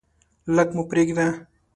لږ مو پریږده.